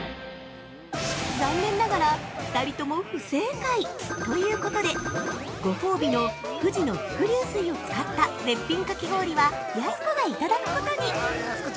残念ながら、２人とも不正解。ということで、ご褒美の富士の伏流水を使った絶品かき氷はやす子がいただくことに。